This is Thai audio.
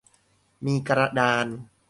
มีกระดาน